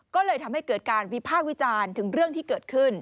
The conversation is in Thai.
ก็เลยทำให้เกิดการวิพากษ์วิจารณ์ถึงเรื่องที่เกิดขึ้น